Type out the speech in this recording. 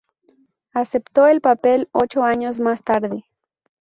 Aceptó el papel ocho años más tarde.